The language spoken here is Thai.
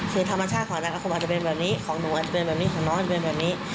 คือธรรมชาติของอนาคตอาจจะเป็นแบบนี้ของหนูอาจจะเป็นแบบนี้ของน้องอาจจะเป็นแบบนี้